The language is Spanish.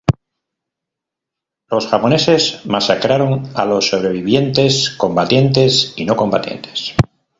Los japoneses masacraron a los sobrevivientes combatientes y no combatientes.